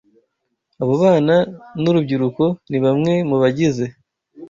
Abo bana n’urubyiruko ni bamwe mu bagize